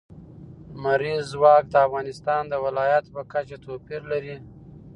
لمریز ځواک د افغانستان د ولایاتو په کچه توپیر لري.